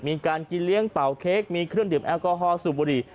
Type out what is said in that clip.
มีการกินเลี้ยงเป่าเค้กมีเครื่องดื่มแอลกอฮอลสูบบุหรี่